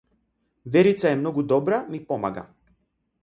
Верица е многу добра ми помага.